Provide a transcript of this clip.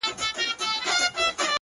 د سترگو سرو لمبو ته دا پتنگ در اچوم!